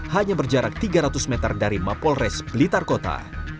hanya berjarak tiga ratus meter dari mapolres blitar kota